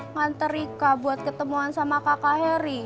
nganter ika buat ketemuan sama kakak heri